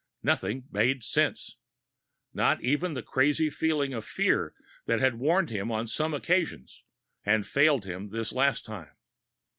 Nothing made sense not even the crazy feeling of fear that had warned him on some occasions and failed him this last time.